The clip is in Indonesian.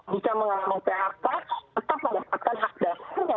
bisa mengalami phk tetap mendapatkan hak dasarnya